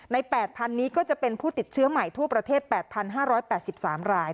๘๐๐นี้ก็จะเป็นผู้ติดเชื้อใหม่ทั่วประเทศ๘๕๘๓ราย